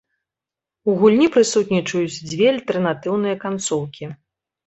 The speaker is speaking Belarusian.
У гульні прысутнічаюць дзве альтэрнатыўныя канцоўкі.